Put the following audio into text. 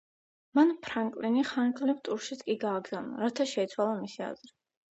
მან ფრანკლინი ხანგრძლივ ტურშიც კი გაგზავნა, რათა შეეცვალა მისი აზრი.